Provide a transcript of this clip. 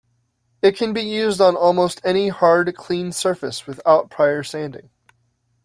It can be used on almost any hard, clean surface without prior sanding.